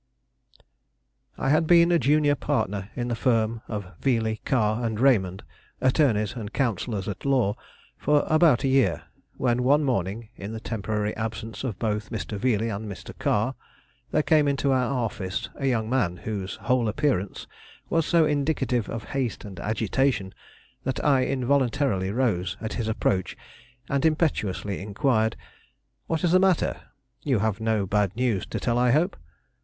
I had been a junior partner in the firm of Veeley, Carr & Raymond, attorneys and counsellors at law, for about a year, when one morning, in the temporary absence of both Mr. Veeley and Mr. Carr, there came into our office a young man whose whole appearance was so indicative of haste and agitation that I involuntarily rose at his approach and impetuously inquired: "What is the matter? You have no bad news to tell, I hope."